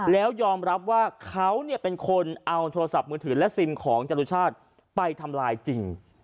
แล้วยอมรับว่าเขาเป็นคนเอาโทรศัพท์มือถือและซิมของจรุชาติไปทำลายจริง